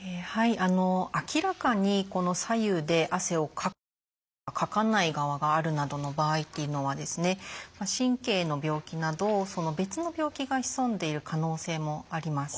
明らかに左右で汗をかく場合とかかかない側があるなどの場合っていうのは神経の病気など別の病気が潜んでいる可能性もあります。